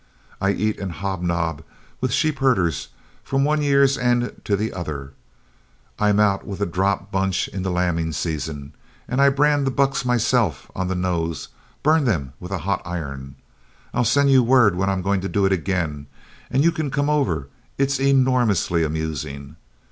I eat and hobnob with sheepherders from one year's end to the other. I'm out with a drop bunch in the lambing season, and I brand the bucks myself on the nose burn them with a hot iron. I'll send you word when I'm going to do it again and you can come over it's e normously amusing.